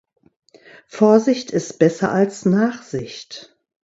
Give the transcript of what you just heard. Vorsicht ist besser als Nachsicht.